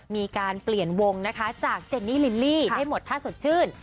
มีการเปลี่ยนวงนะคะจากเจนนี่ลิลลี่ได้หมดท่าสดชื่น